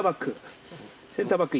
センターバック。